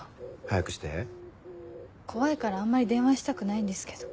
怖いからあんまり電話したくないんですけど。